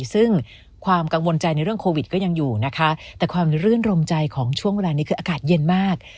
ซึ่งความกังวลใจในเรื่องโควิดก็ยังอยู่นะคะแต่ความรื่นรมใจของช่วงเวลานี้คืออากาศเย็นมาก